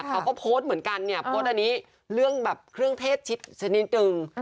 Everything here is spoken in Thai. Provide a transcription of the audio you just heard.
เขาก็โพสต์เหมือนกันเนี่ยโพสต์อันนี้เรื่องแบบเครื่องเทศชิดชนิดนึง